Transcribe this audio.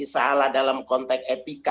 salah dalam konteks etik